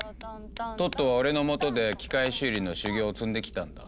トットは俺の下で機械修理の修業を積んできたんだ。